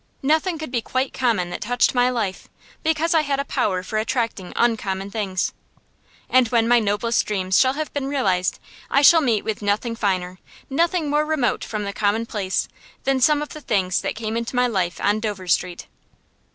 Nothing could be quite common that touched my life, because I had a power for attracting uncommon things. And when my noblest dreams shall have been realized I shall meet with nothing finer, nothing more remote from the commonplace, than some of the things that came into my life on Dover Street.